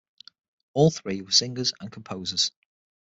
All three were singers and composers.